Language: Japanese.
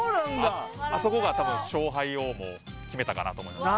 あそこが、たぶん勝敗を決めたかなと思います。